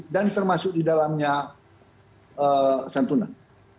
dan termasuk di dalamnya santunan